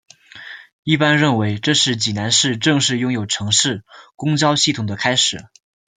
一般认为这是济南市正式拥有城市公交系统的开始。